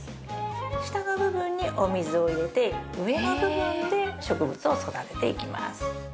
下の部分にお水を入れて上の部分で植物を育てていきます。